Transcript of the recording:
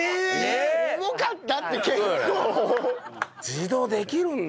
自動できるんだ。